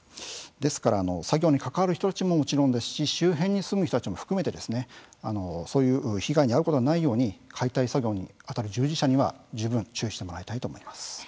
ですから作業に関わる人たちももちろんですし周辺に住む人たちも含めてそういう被害に遭うことがないように解体作業にあたる従事者には十分注意してもらいたいと思います。